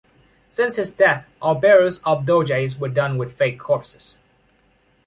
Since his death, all burials of doges were done with fake corpses.